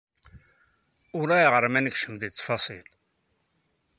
Ulayɣer ma nekcem deg ttfaṣil.